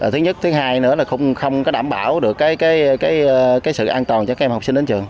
thứ nhất thứ hai nữa là không có đảm bảo được sự an toàn cho các em học sinh đến trường